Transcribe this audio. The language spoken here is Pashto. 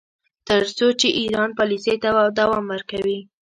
تر څو چې ایران پالیسۍ ته دوام ورکوي.